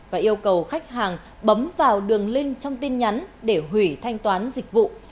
nói cầu khách hàng bấm vào đường link trong tin nhắn để hủy thanh toán dịch vụ